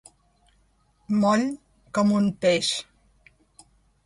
Moll com un peix.